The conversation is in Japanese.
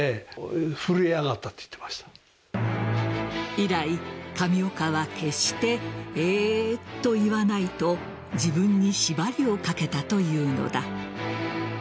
以来、上岡は決してえと言わないと自分に縛りをかけたというのだ。